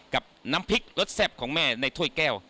กับน้ำพริกรสแซ่บของแม่ในถ้วยแก้ว